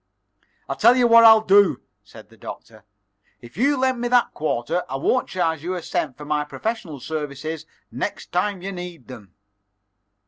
"I tell you what I'll do," said the Doctor. "If you'll lend me that quarter, I won't charge you a cent for my professional services next time you need them."